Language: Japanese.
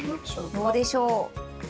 どうでしょう？